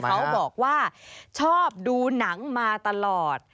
เขาบอกว่าชอบดูหนังมาตลอด